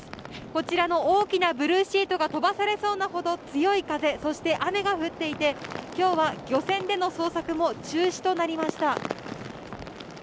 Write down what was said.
こちらの大きなブルーシートが飛ばされそうなほど強い風そして雨が降っていて今日は漁船での捜索も中止となりました。